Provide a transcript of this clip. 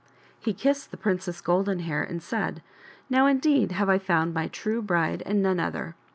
He kissed the Princess Golden Hair and said '" Now, indeed, have I found my true bride and none other.